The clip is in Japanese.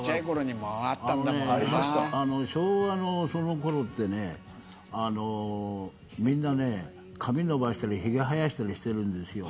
昭和のそのころってねみんな髪伸ばしたりひげ生やしたりしてるんですよ。